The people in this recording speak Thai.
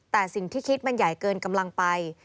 แต่สิ่งที่คิดมันใหญ่เกินกำลังไป